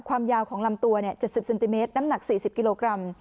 ความยาวของลำตัวเนี้ยเจ็ดสิบเซนติเมตรน้ำหนักสี่สิบกิโลกรัม